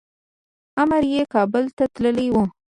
امر یې کابل ته تللی و.